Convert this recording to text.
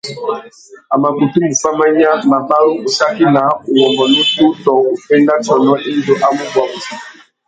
A mà kutu mù fá manya, mabarú, ussaki naā, uwômbô nutu tô uffénda tsônô indi a mù bwa wussi.